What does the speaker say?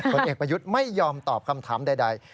ผลเอกประยุทธ์ไม่ยอมตอบคำถามใด